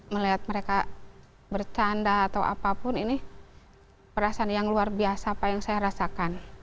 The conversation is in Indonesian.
melihat mereka bercanda atau apapun ini perasaan yang luar biasa apa yang saya rasakan